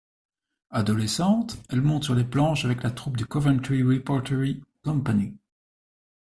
Adolescente elle monte sur les planches avec la troupe du Coventry repertory company.